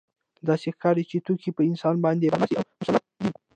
داسې ښکاري چې توکي په انسان باندې برلاسي او مسلط دي